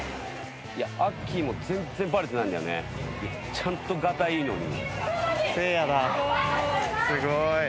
ちゃんとがたいいいのに。